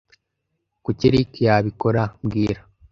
Kuki Eric yabikora mbwira